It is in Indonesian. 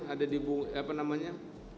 ada di apa namanya